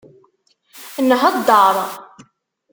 Nheddeṛ.